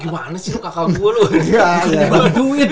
gimana lu kakaknya mau duit